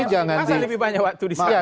mas mas lebih banyak waktu disana